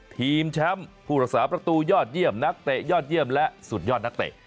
ทีมแชมป์ผู้รักษาประตูยอดเยี่ยมนักเตะยอดเยี่ยมและสุดยอดนักเตะ